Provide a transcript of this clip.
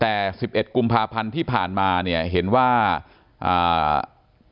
แต่สิบเอ็ดกุมภาพันธ์ที่ผ่านมาเนี่ยเห็นว่าอ่า